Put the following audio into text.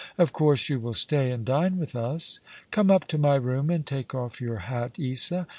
Of course you will stay and dine with us. Come up to my room and take off your hat, Isa.